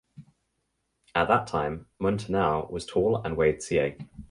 At that time Munteanu was tall and weighed ca.